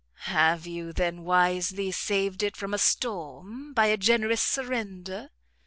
"Have you, then, wisely saved it from a storm, by a generous surrender?